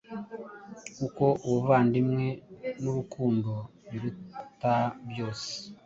Kuko ubuvandimwe n’urukundo biruta byose